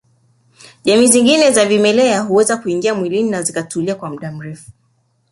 Jamii nyingine za vimelea huweza kuingia mwili na zikatulia kwa muda mrefu